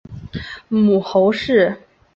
母侯氏。